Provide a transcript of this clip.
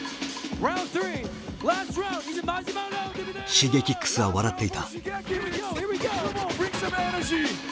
Ｓｈｉｇｅｋｉｘは笑っていた。